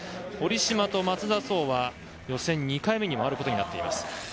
堀島と松田颯は予選２回目に回ることになっています。